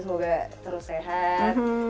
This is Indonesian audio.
semoga terus sehat